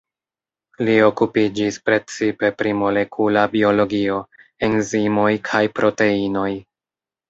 Li okupiĝis precipe pri molekula biologio, enzimoj kaj proteinoj.